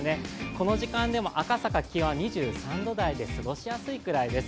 この時間でも赤坂、気温は２３度台で過ごしやすいくらいです。